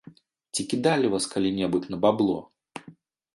Ці кідалі вас калі-небудзь на бабло?